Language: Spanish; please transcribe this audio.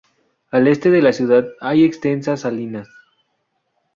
Al este de la ciudad hay extensas salinas.